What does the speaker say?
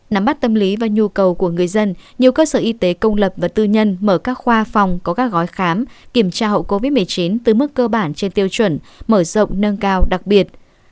nắm bắt tâm lý và nhu cầu của người dân nhiều cơ sở y tế công lập và tư nhân mở các khoa phòng có các gói khám kiểm tra hậu covid một mươi chín từ mức cơ bản trên tiêu chuẩn mở rộng nâng cao đặc biệt